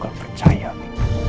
gue gak percaya bi